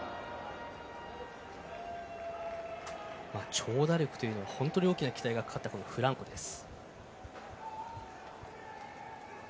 長打力は本当に大きな期待がかかったフランコです。